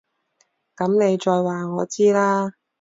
噉你再話我知啦